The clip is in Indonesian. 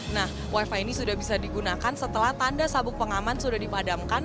nah wifi ini sudah bisa digunakan setelah tanda sabuk pengaman sudah dipadamkan